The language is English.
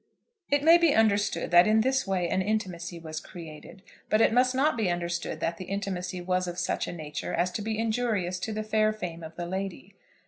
It may be understood that in this way an intimacy was created, but it must not be understood that the intimacy was of such a nature as to be injurious to the fair fame of the lady.